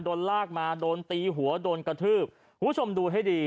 โดนลากมาโดนตีหัวโดนกระทืบคุณผู้ชมดูให้ดี